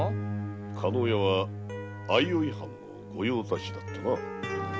加納屋は相生藩の御用達だったな。